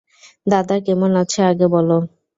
দাদা কেমন আছে আগে বলো।